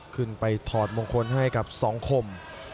ขึ้นไปถอดมงคลให้กับ๒คม